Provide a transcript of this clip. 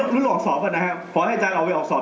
รุ่นออกสอบก่อนนะครับขอให้ใจเอาไว้ออกสอบ